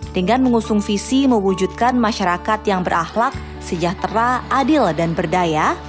dengan mengusung visi mewujudkan masyarakat yang berahlak sejahtera adil dan berdaya